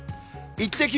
イッテＱ！